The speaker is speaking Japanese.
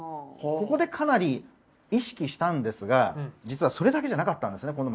ここでかなり意識したんですが実はそれだけじゃなかったんですね